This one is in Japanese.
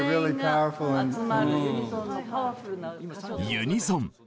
「ユニゾン」